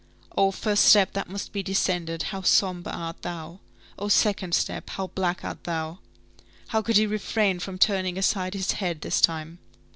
Oh, first step that must be descended, how sombre art thou! Oh, second step, how black art thou! How could he refrain from turning aside his head this time?